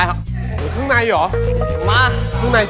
หมูเครื่องไนอยู่หรอ